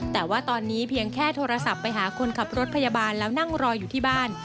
แต่ว่าตอนนี้เพียงแค่โทรศัพท์ไปหาคนขับรถพยาบาลแล้วนั่งรออยู่ที่บ้าน